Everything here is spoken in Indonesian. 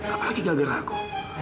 apalagi gak gerak aku